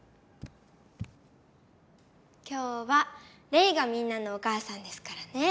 今日はレイがみんなのお母さんですからね。